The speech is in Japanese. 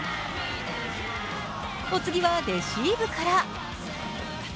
お次は、レシーブから。